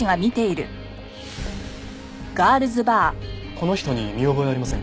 この人に見覚えはありませんか？